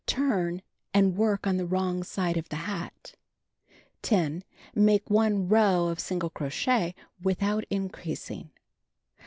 Turn, and work on the wi'ong side of the hat. 10. Make 1 row of single crochet without increasing.